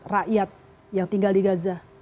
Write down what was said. rakyat yang tinggal di gaza